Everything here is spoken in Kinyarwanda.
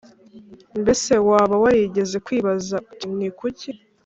Mbese waba warigeze kwibaza uti ni kuki